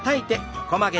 横曲げ。